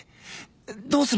どうする？